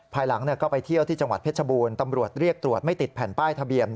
ภายหลังก็ไปเที่ยวที่จังหวัดเพชรบูรณ์ตำรวจเรียกตรวจไม่ติดแผ่นป้ายทะเบียน